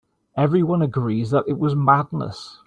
Everyone agrees that it was madness.